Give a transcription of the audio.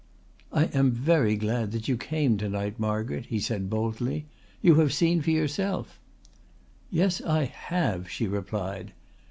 "I am very glad that you came to night, Margaret," he said boldly. "You have seen for yourself." "Yes, I have," she replied.